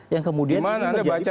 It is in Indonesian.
yang kemudian menjadi pembunara